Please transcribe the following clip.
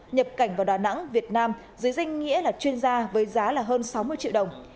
nhập cảnh vào đà nẵng việt nam dưới danh nghĩa là chuyên gia với giá là hơn sáu mươi triệu đồng